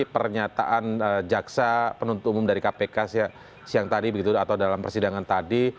pernyataan jaksa penuntut umum dari kpk siang tadi begitu atau dalam persidangan tadi